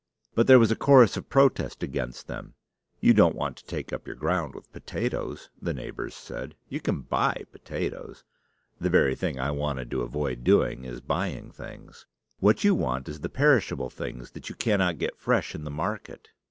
But there was a chorus of protest against them. "You don't want to take up your ground with potatoes," the neighbors said; "you can buy potatoes" (the very thing I wanted to avoid doing is buying things). "What you want is the perishable things that you cannot get fresh in the market."